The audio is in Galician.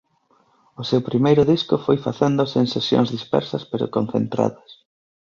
O seu primeiro disco foi facéndose en sesións dispersas pero concentradas.